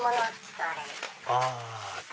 ああ。